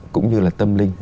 cũng như là tâm linh